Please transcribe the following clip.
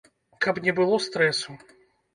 Каб не было стрэсу!